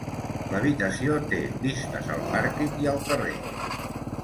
I l'habitació té vistes al pàrquing i al carrer!